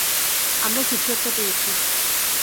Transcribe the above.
আমরা কিছু একটা পেয়েছি।